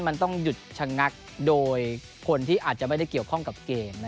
มันต้องหยุดชะงักโดยคนที่อาจจะไม่ได้เกี่ยวข้องกับเกม